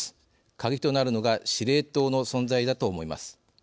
カギとなるのが司令塔の存在だと思います。